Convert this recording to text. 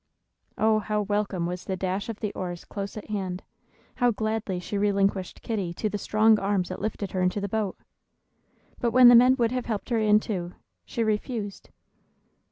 Oh, how welcome was the dash of the oars close at hand, how gladly she relinquished Kitty to the strong arms that lifted her into the boat! But when the men would have helped her in too, she refused.